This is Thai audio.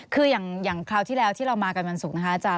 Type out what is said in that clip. คืออย่างคราวที่แล้วที่เรามากันวันศุกร์นะคะอาจาร